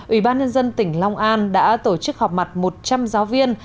ủy ban nhân dân tỉnh long an đã tổ chức họp mặt một trăm linh giáo viên